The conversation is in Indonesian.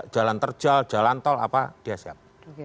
jalan terjal jalan tol apa dia siap